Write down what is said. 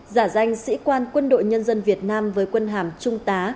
giả danh sĩ quan quân đội nhân dân việt nam với quân hàm trung tá